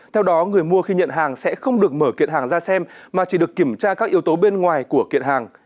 theo đó người mua khi nhận hàng sẽ không được mở kiện hàng ra xem mà chỉ được kiểm tra các yếu tố bên ngoài của kiện hàng